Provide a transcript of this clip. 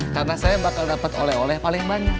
karena saya bakal dapet oleh oleh paling banyak